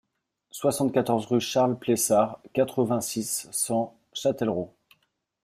soixante-quatorze rue Charles Plessard, quatre-vingt-six, cent, Châtellerault